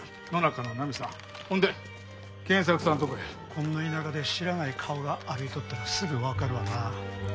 こんな田舎で知らない顔が歩いとったらすぐわかるわな。